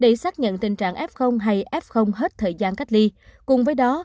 để xác nhận tình trạng f hay f hết thời gian cách ly cùng với đó